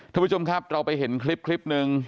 ท่านผู้ชมครับเราไปเห็นคลิปหนึ่ง